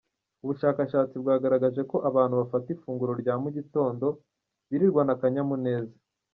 Ubushakashatsi bwagaragaje ko abantu bafata ifunguro rya mu gitondo biriranwa akanyamuneza.